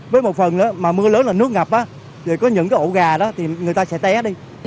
với một phần nữa mà mưa lớn là nước ngập á thì có những cái ổ gà đó thì người ta sẽ té đi